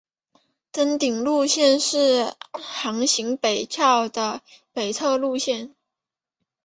登顶路线是行经北坳的北侧路线。